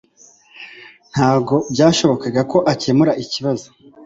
Ntabwo byashobokaga ko akemura ikibazo